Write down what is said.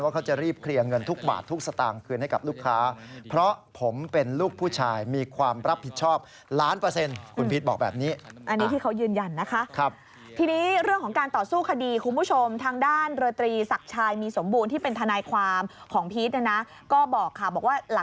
ว่าเขาจะรีบเคลียร์เงินทุกบาททุกสตางค์คืนให้กับลูกค้า